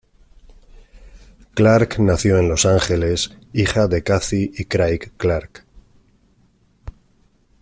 Clark nació en Los Ángeles, hija de Cathy y Craig Clark.